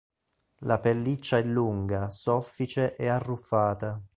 La pelliccia è lunga, soffice e arruffata.